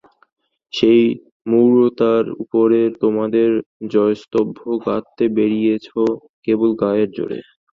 সেই মূঢ়তার উপরেই তোমাদের জয়স্তম্ভ গাঁথতে বেরিয়েছ কেবল গায়ের জোরে।